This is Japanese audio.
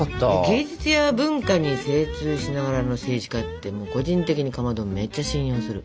芸術や文化に精通しながらの政治家って個人的にかまどめっちゃ信用する。